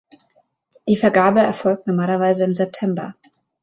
Die Vergabe erfolgt normalerweise im September.